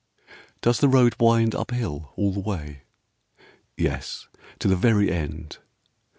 Does the road wind up hill all the way? Yes, to the very end.